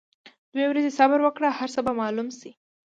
دوه ورځي صبر وکړه هرڅۀ به معلوم شي.